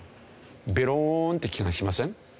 ベローンって気がしません？